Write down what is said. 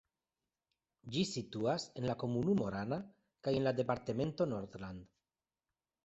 Ĝi situas en la komunumo Rana kaj en la departemento Nordland.